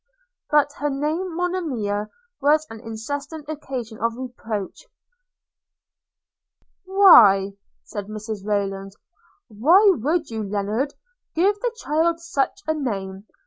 But her name – Monimia – was an incessant occasion of reproach – 'Why,' said Mrs Rayland, 'why would you, Lennard, give the child such a name?